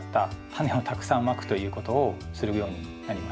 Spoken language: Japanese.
タネをたくさんまくということをするようになりました。